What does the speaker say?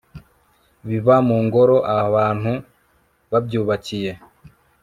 biba mu ngoro abantu babyubakiye